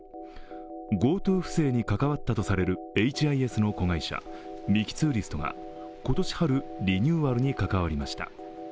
ＧｏＴｏ不正に関わったとされるＨＩＳの子会社、ミキ・ツーリストが今年春、リニューアルに関わりました。